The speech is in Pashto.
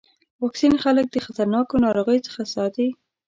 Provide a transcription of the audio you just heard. واکسین خلک د خطرناکو ناروغیو څخه ساتي.